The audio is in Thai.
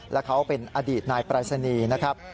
และเขาเป็นอดีตนายปรายศนีย์นะครับ